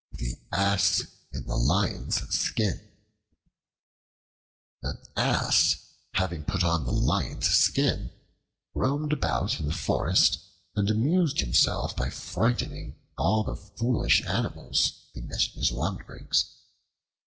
The Ass in the Lion's Skin AN ASS, having put on the Lion's skin, roamed about in the forest and amused himself by frightening all the foolish animals he met in his wanderings.